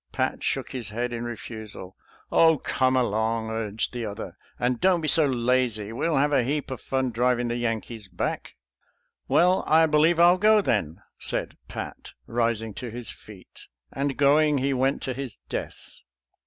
Pat shook his head in refusal. " Oh, come along !" urged the other, " and don't be so lazy. We'll have a heap of fun driv ing the Yankees back." " Well, I believe I'll go then," said Pat, rising to his feet; and, going, he went to his death.